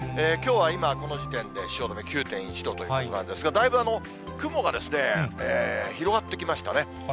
きょうは今、この時点で汐留９．１度ということなんですが、だいぶ雲がですね、広がってきましたね。